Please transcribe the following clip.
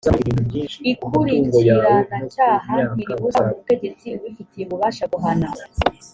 ikurikiranacyaha ntiribuza umutegetsi ubifitiye ububasha guhana